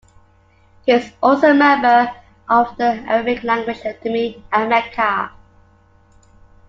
He is also a member of the Arabic Language Academy at Mecca.